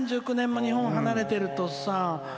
３９年も日本を離れてるとさ。